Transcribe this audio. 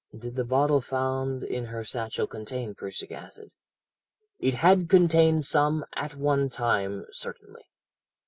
"'Did the bottle found in her satchel contain prussic acid?' "'It had contained some at one time, certainly.'